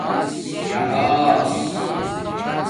جہاس